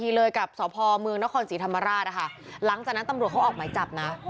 เลยกับสพเมืองนครศรีธรรมราชนะคะหลังจากนั้นตำรวจเขาออกหมายจับนะ